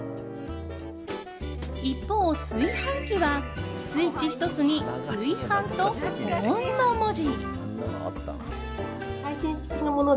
一方、炊飯器はスイッチ１つに炊飯と保温の文字。